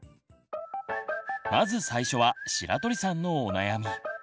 まず最初は白鳥さんのお悩み。